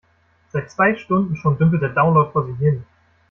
Seit zwei Stunden schon dümpelt der Download vor sich hin.